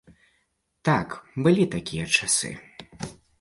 Так, былі такія часы.